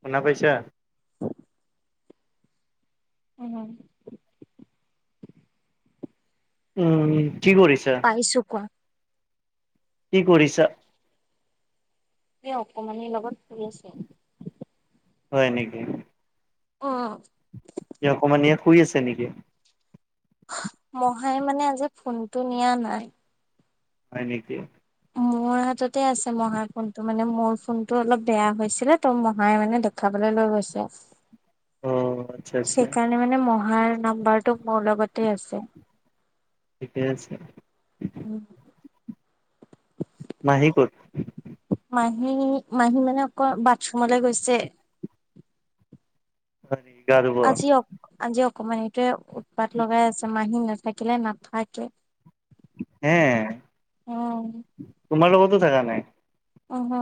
শুনা পাইছা? উ হুম। উম, কি কৰিছ পাইছো কোৱা। কি কৰিছা? এ, অকমানি লগত শুই আছো। হয় নেকি। অ'। এতিয়া অকমানিয়ে শুই আছে নেকি? মহাই মানে আজি ফোনটো নিয়া নাই। হয় নেকি। মোৰ হাততে আছে মহাৰ ফোনটো মানে মোৰ ফোনটো অলপ বেয়া হৈছিলে ত' মহাই মানে দে দেখাবলে লৈ গৈছে‌ আৰু [unintelligible] অ', আচ্ছা আচ্ছা সেইকাৰণে মানে মহাৰ নাম্বাৰটো মোৰ লগতে আছে ঠিকে আছে। উম। মাহী ক'ত? মাহী মাহী মানে অকন বাথৰুমলে গৈছে। হয় নেকি আৰু আজি অক, আজি অকমানিটোৱে উৎপাত লগাই আছে। মাহী নাথাকিলে নাথাকে। হে, উম, তোমাৰ লগতো থাকা নাই? অ, হ।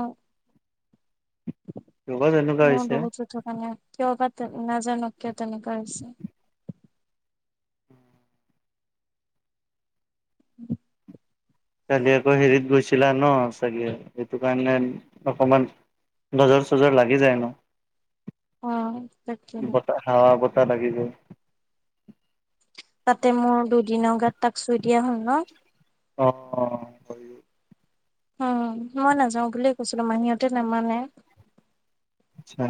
ৰ'বা তেনেকুৱা মই হৈছে। বহুতো থকা নাই কিয় বা তে, নাজানো কিয় তেনেকুৱা হৈছে। [inaudible] চাগে আকৌ হেৰিত গৈছিলা ন' চাগে সেইটো কাৰণে অকমান নজৰ চজৰ লাগি যায় ন'। অ', তাকে। বতাহ হাৱা বতাহ লাগিব ই তাতে মোৰ দুইদিনৰ গাত টাস্কটো এতিয়া হ'ল ন'? অ', অ'। অ', মই নাযাও বুলিয়ে কৈছিলো মাহীহঁতে নামানে। আচ্ছা।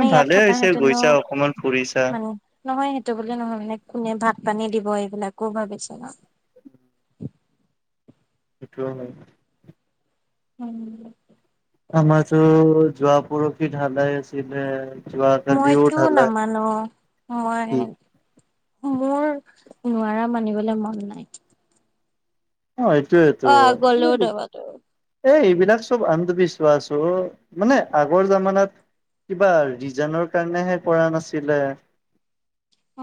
এ, ইয়াত ভালে হৈছে থকাহেঁতেনো গৈছা অকমান ফুৰিছা। মানে নহয় সেইটো বুলি নহয় মানে কোনে ভাত পানী দিব এইবিলাকো ভাবিছোঁ ন'। এইটোও হয়। [inaudible] আমাৰতো যোৱাপৰখি ঠাণ্ডা আছিলে। যোৱা কালিও মইতো ঢালাই নামানো। মই মোৰ নোৱাৰা মানিবলে মন নাই। অ', এইটোয়েটো অ'। [inaudible] এ, এইবিলাক চব আন্ধবিশ্বাস অ', মানে আগৰ জামানাত কিবা ৰিজানৰ কাৰণেহে কৰা নাছিলে।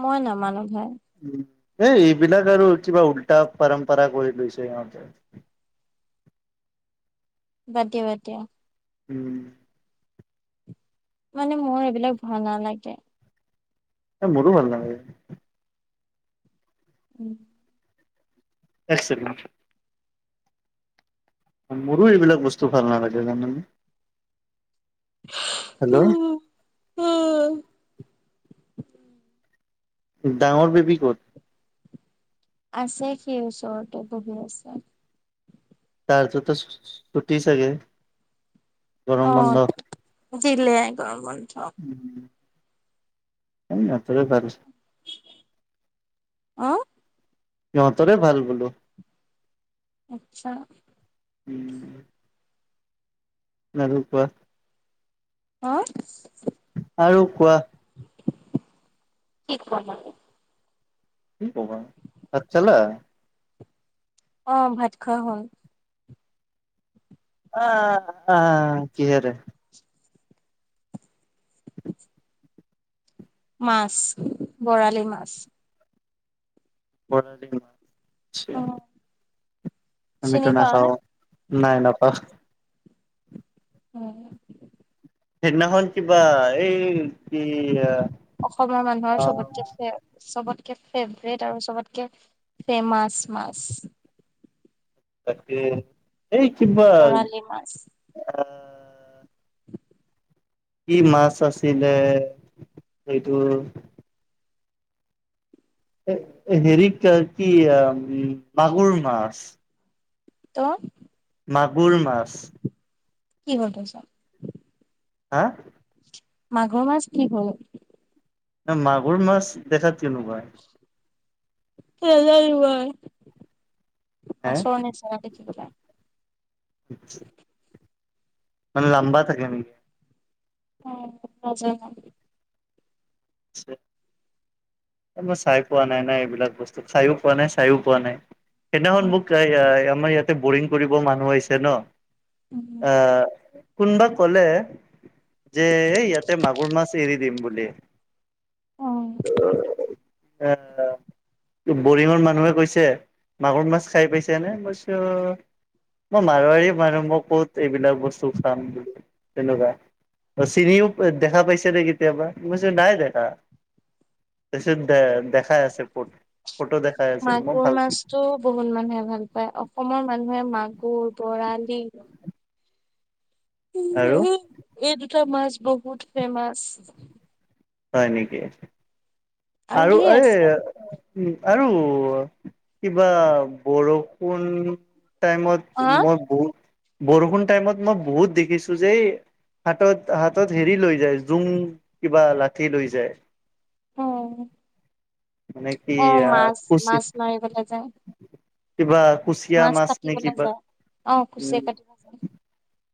মই নামানো ভাই। উম, এই এইবিলাক আৰু কিবা উল্টা পাৰাম্পৰা কৰি লৈছে সিহঁতে। বাদ দিয়া বাদ দিয়া। উম। মানে মই এইবিলাক ভাল নালাগে। এ মোৰো ভাল নালাগে। উম। এক ছেকেণ্ড। মোৰো এইবিলাক বস্তু ভাল নালাগে জানানে। হেল্ল উম [unintelligible] ডাঙৰ বেবি ক'ত আছে সি ওচৰতে বহি আছে। তাৰটো টো ছু ছুটি চাগে। গৰম অ বন্ধ দিলে গৰম বন্ধ। উম এই সিহঁতৰে ভাল অ সিহঁতৰে ভাল বোলো আচ্ছা। উম আৰু কোৱা। অ আৰু কোৱা কি কলা কি ক'বা ভাত খালা। অ ভাত খোৱা হ'ল। আ আ কিহেৰে। মাছ বৰালি মাছ বৰালি মাছ অ আচ্ছা আমিতো চিনি পাও নে নাখাওঁ নাই নাপাওঁ। হুম সেইদিনাখন কিবা এই কি আ অসমৰ মানুহৰ চবতছে চবতকে ফ্ৰেভৰেট আৰু চবতকে ফ্ৰেমাচ মাছ তাকে এই কিবা বৰালি মাছ আ [unintelligible] কি মাছ আছিলে সেইটো। এ এ হেৰি কি উম মাগুৰ মাছ। ত' মাগুৰ মাছ কি হ'ল তাৰ পাছত হা মাগুৰ মাছ কি হ'ল মাগুৰ মাছ দেখাত কেনেকুৱা। নাজানো মই হে মাছৰ নিচ কলা দেখিবলে [unintelligible] মানে লাম্বা থাকে নেকি। অ নাজানো আচ্ছা এই মই চাই পোৱা নাই এইবিলাক বস্তু খাইও পোৱা নাই চাইও পোৱা নাই। সেইদিনাখন অ মোক এ আ আমাৰ ইয়াতে বৰিং কৰিব মানুহ আহিছে ন। উম, আহ। কোনবা ক'লে যে এ ইয়াতে মাগুৰ মাছ এৰি দিম বুলি। অঁ। এঅ। তো বৰিংৰ মানুহে কৈছে মাগুৰ মাছ খাই পাইছানে মইছো। মই মাৰোৱাৰী মানুহ মই ক'ত এইবিলাক বস্তু খাম বোলো তেনেকুৱা। চিনিও দেখা পাইছানে কেতিয়াবা মইছো নাই দেখা। তাৰপিছত দে দেখাই আছে ফ ফটো দেখাই আছে ম মই মাগুৰ ভালকে মাছটো বহুত মানুহে ভাল পায় অসমৰ মানুহে মাগুৰ বৰালি- উমঁ আৰু এই এই দুটা মাছ বহুত ফেমাছ। হয় নেকি আৰু ধেৰ এই। আছে উমঁ আৰু কিবা বৰষুণ। টাইমত হা মই বহুত বৰষুণ টাইমত মই বহুত দেখিছো যে তা হাতত হাতত হেৰি লৈ যায় জুং কিবা লাঠি লৈ যায়। অঁ! মানে কি আ খুচি মাছ মাৰিবলৈ যায় কিবা কুচিয়া মাছ নে কাটিবলৈ কিবা যায় অ কুচিয়া উমঁ। কাটিব যায়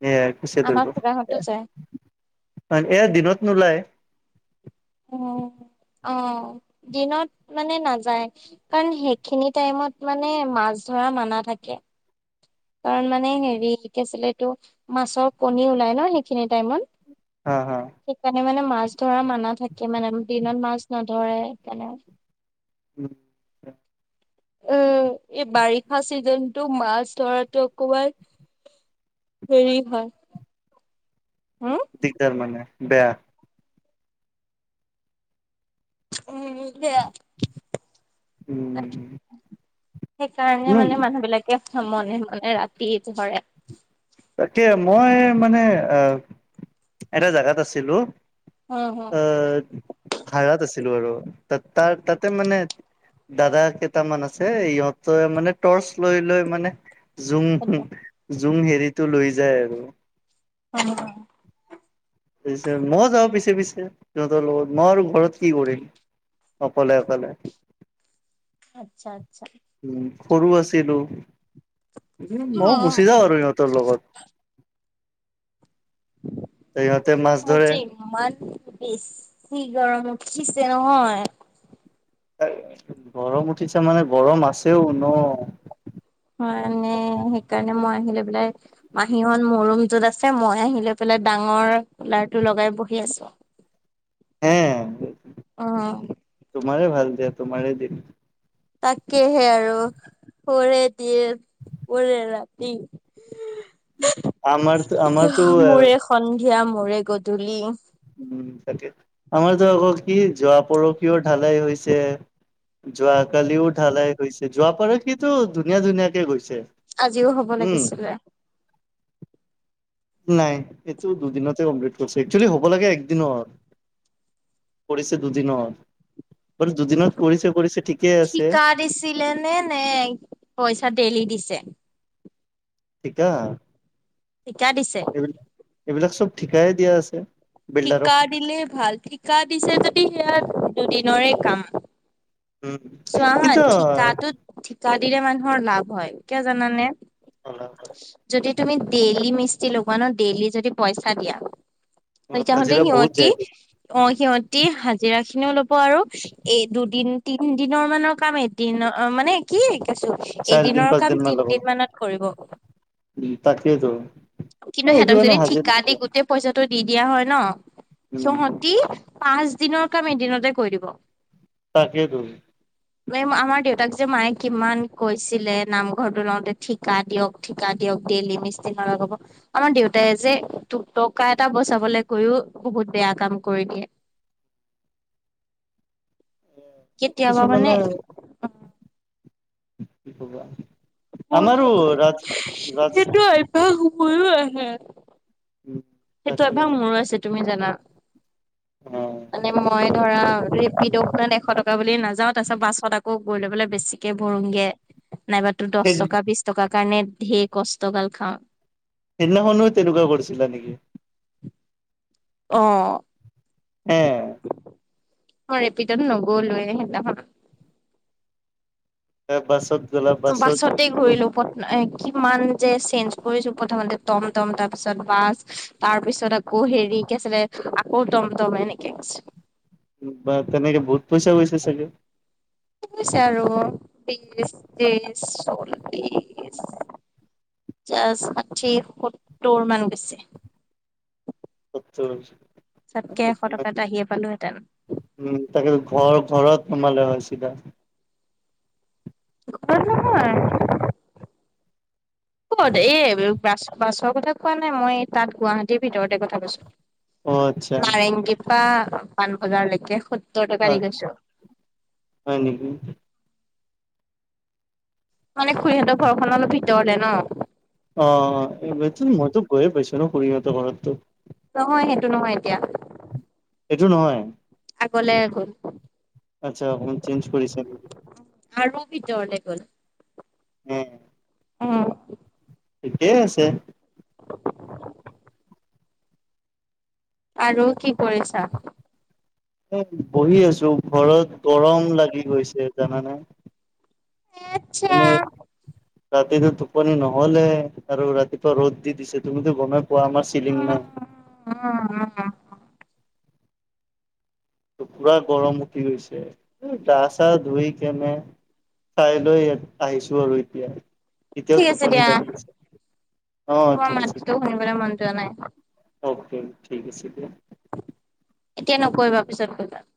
এয়া কুচিয়া আমাৰ ধৰিব। এ খুৰাহঁতো যায় এয়া দিনত নোলায়। উমঁ! অঁ দিনত মানে নাযায়। কাৰণ সেইখিনি টাইমত মানে মাছ ধৰা মানা থাকে। কাৰণ মানে হেৰি কি আছিলে এইটো মাছৰ কণী ওলাই ন সেইখিনি টাইমত। হা হা! সেইকাৰণে মানে মাছ ধৰা মানা থাকে মানে দিনত মাছ নধৰে সেইকাৰণে। উমঁ! উমঁ এই বাৰিষা চিজনটো মাছ ধৰাতো অকমান- হেৰি হয়। হোম। দিগদাৰ মানে বেয়া। উমঁ বেয়া। উম সেইকাৰণে মানে মানুহ বিলাকে মনে মনে ৰাতি ধৰে। তাকে মই মানে এহ এটা জেগাত আছিলোঁ উম অহ্! খাড়াত আছিলো আৰু তাত তাৰ তাতে মানে। দাদা কেইটামান আছে ইহঁতে মানে টৰ্চ লৈ লৈ মানে। জুংহো উম জুং হেৰিটো লৈ যায় আৰু। অঁ পিছে ময়ো যাওঁ পিছে পিছে সিহঁতৰ লগত মই আৰু ঘৰত কি কৰিম। অকলে অকলে। আতচ্ছ আতচ্ছ। উমঁ সৰু আছিলো উমঁ ময়ো উম গুচি যাওঁ আৰু সিহঁতৰ লগত। ইহঁতে মাছ মোৰ ধৰে- যে ইমান বেছি গৰম উঠিছে নহয়। গৰম উঠিছে মানে গৰম আছেও ন মানে সেইকাৰণে মই আহি লয় পেলাই মাহীহঁত মোৰ ৰুমটোত আছে মই আহি লৈ পেলাই ডাঙৰ কোলাৰ টো লগাই বহি আছো হে [inaudible] অ তোমাৰে ভাল দিয়া তোমাৰেই দিন তাকেহে আৰু মোৰে দিন মোৰে ৰাতি [inaudible] আমাৰতো আমাৰতো এ মোৰে সন্ধিয়া মোৰে গধূলি উম তাকে আমাৰ যে আকৌ কি যোৱা পৰহিও ঢালাই হৈছে যোৱাকালিও ঢালাই গৈছে যোৱা পৰহিতো ধুনীয়া ধুনীয়াকে গৈছে আজিও হ'ব উম লাগিছিলে নাই এইটো দুদিনতে কমপ্লিট কৰিছো একচোৱেলি হ'ব লাগে একদিনত কৰিছে দুদিনত বাৰু দুদিনত কৰিছে কৰিছে ঠিকেই আছে আছিলে নে নে পইচা ডেইলি দিছে ঠিকা। ঠিকা দিছে। এইবিলাক এইবিলাক চব ঠিকাই দিয়া আছে। বিল্ডাৰক ঠিকা দিলে ভাল ঠিকা দিছে যদি সেয়া দুদিনৰে কাম। উম চোৱা হা কিন্তু ঠিকা তোত ঠিকাদিলে মানুহৰ লাভ হয় কিয় জানানে? যদি তুমি ডেইলি মিস্তিৰি লগোৱা ন' ডেইলি যদি পইচা দিয়া [unintelligible] হাজিৰা বহুত সিহঁতি যায়তো অ', সিহঁতি হাজিৰা খিনিও ল'ব আৰু এ দুদিন তি তিনদিনৰ মানৰ কাম এদিনৰ মানে কি [unintelligible] আছো চাৰি দিন এদিনৰ পাঁচ কাম দিন মান লগাব তিনদিন মানত উম, তাকেইতো -কিন্তু এইটো সিহঁতক কাৰণে যদি হাজিৰা ঠিকা দি গোটেই পইচাটো দি দিয়া হয় ন উম সিহঁতি পাঁচ দিনৰ কাম এদিনতে কৰি দিব তাকেই তো। -আমাৰ দেউতাক যে মায়ে কিমান কৈছিলে নামঘৰটো লওঁতে ঠিকা দিয়ক। ঠিকা দিয়ক ডেলি মিস্ত্ৰী নলগাব আমাৰ দেউতাই যে দুটকা এটা বচাবলৈ গৈওঁ বহুত বেয়া কাম কৰি দিয়ে। কেতিয়াবা মানে। কিছুমানে -কি কবা আমাৰো মোৰো [inaudible] আহে সেইটো তাকে অ অভ্যাস মোৰো আছে তুমি জানা মানে মই ধৰা ইদৌখনত এশ টকা বুলি নাযাওঁ তাৰপিছত বাছত আকৌ গৈ লৈ পেলাই বেছিকে ভৰোংগে নাইবা দহ সেই টকা বিশ টকাৰ কাৰণে ধেৰ কষ্টগাল খাওঁ। হেইদিনাখনো তেনেকুৱা কৰিছিলা নেকি। অ', হে। -মই ৰেপিদৌট নগলোৱে হেইদিনা খন তাৰ পাছত। বাছত -ঘূৰিলো কিমান যে চেঞ্জ কৰিছো প্ৰথমতে টমটম তাৰ পিছত বাছ। তাৰ পিছত আকৌ হেৰি কি আছিলে আকৌ টমটম এনেকে বা' তেনেকে বহুত পইচা গৈছে চাগে। গৈছে আৰু বিশ ত্ৰিশ চললিশ পঞ্চাশ, ষাঠি, সত্তৰ মান গৈছে। -তাতকে এশ টকা এটা ৰাহিয়ে পালোহেতেন। উম তাকে ত' ঘৰ ঘৰত নমালে হয় চিধা। ঘৰত নহয় [inaudible] হ'ব দে এই বাছ-বাছৰ কথা কোৱা নাই মই তাত গুৱাহাটীৰ ভিতৰতে কথা কৈছো। অ আচ্ছা নাৰেংগী পা পাণ বজাৰ লেকে সত্তৰ টকা দি গৈছো। হয় নেকি? মানে খুৰিহঁতৰ ঘৰখন অলপ ভিতৰলে ন'? অঁ অঁ অঁ এইবাৰতো মইতো গৈয়ে পাইছো ন' খুুৰিহঁতৰ ঘৰততো। নহয় সেইটো নহয় এতিয়া। সেইটো নহয়। আগলে গ'ল। আচ্ছা অকমান চেইঞ্জ কৰিছে। আৰু ভিতৰতে গ'ল। উম। ওমম। ঠিকেই আছে। [inaudible] আৰু কি কৰিছা? ও, বহি আছো ঘৰত গৰম লাগি গৈছে, জানানে? আচ্ছা এনেৰ ৰাতিটো টোপনি নহ'লে আৰু ৰাতিপুৱা ৰ'দ দি দিছে তুমিতো গ'মেই পোৱা আমাৰ চিলিং নাই। উম উম উম। ত' পুৰা গৰম উঠি গৈছে, গা চা ধুই কেনে খাইলৈ ইয়াত আহিছো আৰু এতিয়া। এতিয়াও ঠিক আছে টোপনি দিয়া লাগি আছে। অ' ঠিক আছে। তো শুনিবলে মন যোৱা নাই। অ'কে ঠিক আছে দিয়া। এতিয়া নকৰিবা পিছত কইবা।